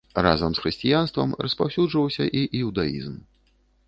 Разам з хрысціянствам распаўсюджваўся і іўдаізм.